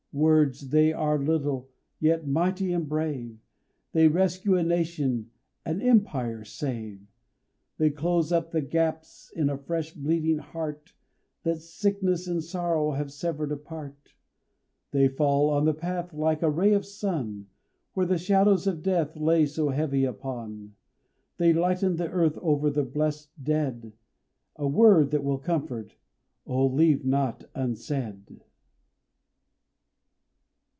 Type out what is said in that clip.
Words! They are little, yet mighty and brave; They rescue a nation, an empire save; They close up the gaps in a fresh bleeding heart That sickness and sorrow have severed apart, They fall on the path, like a ray of the sun, Where the shadows of death lay so heavy upon; They lighten the earth over our blessed dead, A word that will comfort, oh! leave not unsaid.